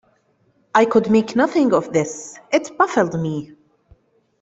I could make nothing of this. It baffled me.